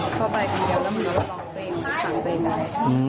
เข้าไปกันเดียวแล้วมันก็ลองเตรียมทางไปไหน